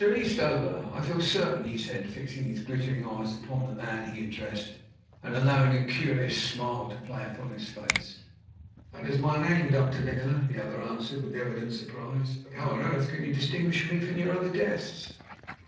Eastover, I feel certain," he said, fixing his glittering eyes upon the man he addressed, and allowing a curious smile to play upon his face. "That is my name, Dr. Nikola," the other answered with evident surprise. "But how on earth can you distinguish me from your other guests?"